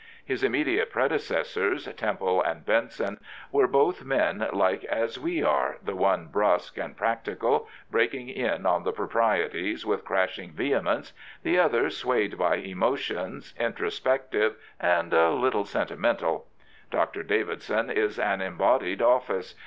His immediate predecessors, Temple and Benson, were both men like as we are, the one brusque and practical, breatking in on the proprietie?^*with crashing vehemence, the other swayed by emotions, introspective, and a little sentimental. Dr. Davidson is an embodied office.